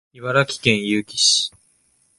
茨城県結城市